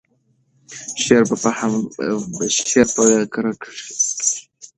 شعر په کره کېښکلې ژبه لري.